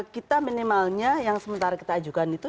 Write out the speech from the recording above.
kita minimalnya yang sementara kita ajukan itu